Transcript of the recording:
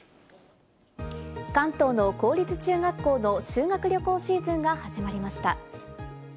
関東の公立中学校の修学旅行シーズンが始まりました。